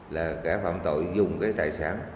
là cả phạm tội dùng cái tài sản